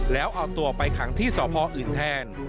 แล้วเอาตัวไปขังที่สพอื่นแทน